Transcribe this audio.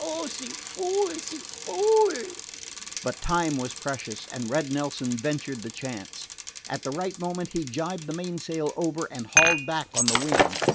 Oh, ze fool, ze fool!" But time was precious, and Red Nelson ventured the chance. At the right moment he jibed the mainsail over and hauled back on the wind.